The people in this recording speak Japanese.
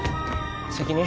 責任？